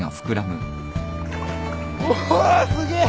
おおすげえ！